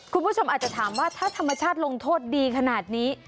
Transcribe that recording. คุณผู้ชมอาจจะถามว่าถ้าธรรมชาติลงโทษดีขนาดนี้